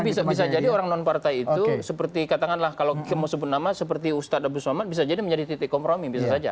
tapi bisa jadi orang non partai itu seperti katakanlah kalau kita mau sebut nama seperti ustadz abu somad bisa jadi menjadi titik kompromi bisa saja